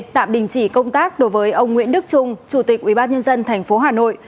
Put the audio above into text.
tạm đình chỉ công tác đối với ông nguyễn đức trung chủ tịch ubnd tp hà nội